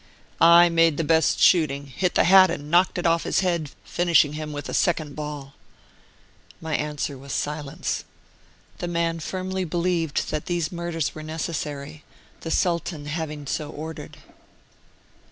"I made the best shooting, hit the hat and knocked it off his head, finishing him with a second ball." My answer was silence. The man firmly believed that these murders were necessary, the Sultan having so ordered.